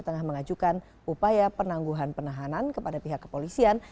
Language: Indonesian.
tengah mengajukan upaya penangguhan penahanan kepada pihak kepolisian